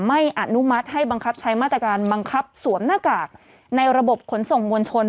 อนุมัติให้บังคับใช้มาตรการบังคับสวมหน้ากากในระบบขนส่งมวลชน